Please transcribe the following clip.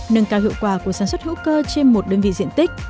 nâng cao hiệu quả của sản xuất hữu cơ trên một đơn vị diện tích